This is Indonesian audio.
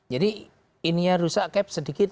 jadi ininya rusak cap sedikit